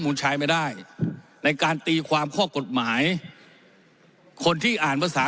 มูลชายไม่ได้ในการตีความข้อกฎหมายคนที่อ่านภาษา